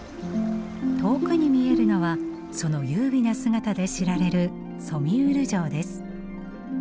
遠くに見えるのはその優美な姿で知られるソミュール城です。